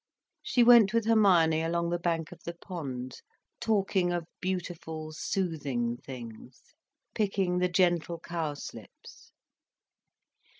She went with Hermione along the bank of the pond, talking of beautiful, soothing things, picking the gentle cowslips.